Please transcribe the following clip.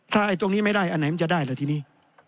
ถ้าไอ้ตรงนี้ไม่ได้อันไหนมันจะได้ล่ะทีนี้